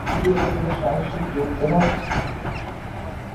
তিনি একজন সাহসী যোদ্ধা ও ছিলেন।